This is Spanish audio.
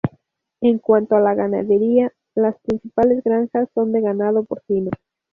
En cuanto a la ganadería, las principales granjas son de ganado porcino.